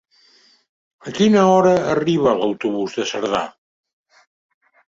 A quina hora arriba l'autobús de Cerdà?